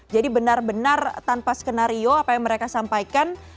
jadi benar benar tanpa skenario apa yang mereka sampaikan